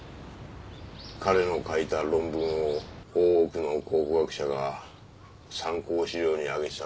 彼の書いた論文を多くの考古学者が参考資料に挙げていたからな。